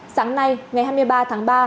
sáng nay ngày hai mươi ba tháng ba